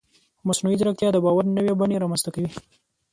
مصنوعي ځیرکتیا د باور نوې بڼې رامنځته کوي.